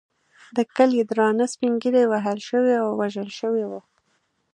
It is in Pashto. د کلي درانه سپین ږیري وهل شوي او وژل شوي وو.